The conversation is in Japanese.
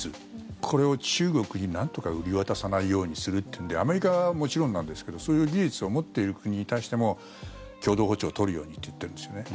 これを中国になんとか売り渡さないようにするというのでアメリカはもちろんなんですけどそういう技術を持っている国に対しても共同歩調を取るようにと言ってるんですよね。